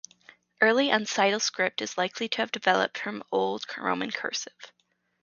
Early uncial script is likely to have developed from late Old Roman cursive.